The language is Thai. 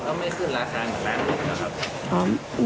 แล้วไม่ขึ้นราคา๑แม่นหมดหรือครับ